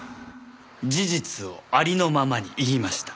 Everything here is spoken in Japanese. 事実をありのままに言いました。